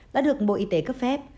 đã được bộ y tế cấp phép